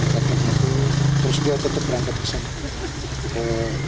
terus dia tetap berangkat ke sana